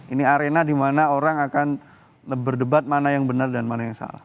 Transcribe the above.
ini arena di mana orang akan berdebat mana yang benar dan mana yang salah